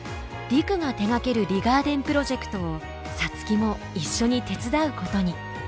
陸が手がけるリガーデンプロジェクトを皐月も一緒に手伝うことに。